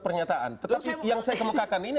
pernyataan tetapi yang saya kemukakan ini